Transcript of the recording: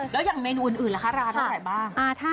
แล้วอย่างเมนูอื่นราคาร้านเท่าไหร่ไป